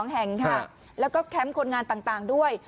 ๔๗๒แห่งค่ะและแค้มคนงานต่างด้วย